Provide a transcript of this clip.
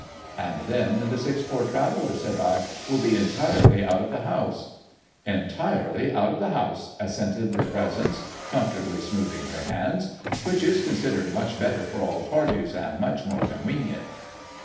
' And then the six Poor Travellers,' said I, ' will be entirely out of the house ?'' Entirely out of the house,' assented the presence, comfortably smoothing her hands. ' Which is considered much better for all parties, and much more conwenient.'